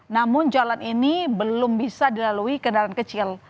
namun jalan ini belum bisa dilalui kendaraan kecil